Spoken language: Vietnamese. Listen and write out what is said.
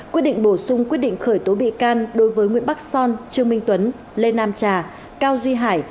quyết định bổ sung quyết định khởi tố bị can đối với nguyễn bắc son trương minh tuấn lê nam trà cao duy hải